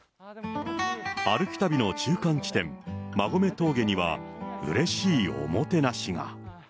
歩き旅の中間地点、馬籠峠には、うれしいおもてなしが。